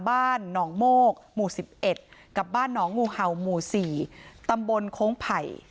บ้านหนองโมกหมู่๑๑กับบ้านหนองงูเห่าหมู่๔ตำบลโค้งไผ่